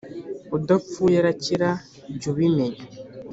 Udapfuye arakira jy’ubimenya